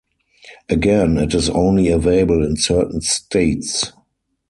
Again, it is only available in certain states.